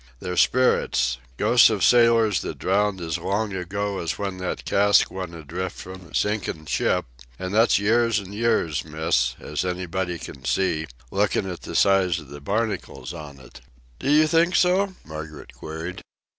They're spirits—ghosts of sailors that drowned as long ago as when that cask went adrift from a sinkin' ship, an' that's years an' years, Miss, as anybody can see, lookin' at the size of the barnacles on it." "Do you think so?" Margaret queried.